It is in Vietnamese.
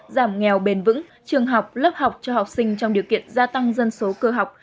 giảm nghèo bền vững trường học lớp học cho học sinh trong điều kiện gia tăng dân số cơ học